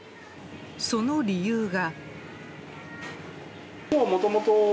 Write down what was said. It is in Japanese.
その理由が。